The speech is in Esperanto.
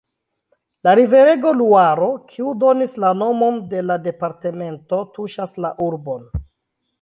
La riverego Luaro, kiu donis la nomon de la departemento, tuŝas la urbon.